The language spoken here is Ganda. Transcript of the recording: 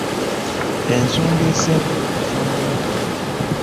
Ensonga esembayo y'ensonga y'ettaka.